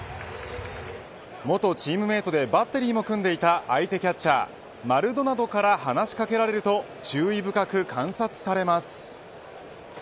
元チームメートでバッテリーも組んでいた相手キャッチャーマルドナドから話しかけられると注意深く観察されます。